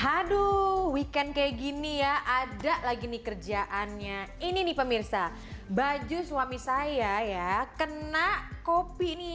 aduh weekend kayak gini ya ada lagi nih kerjaannya ini nih pemirsa baju suami saya ya kena kopi nih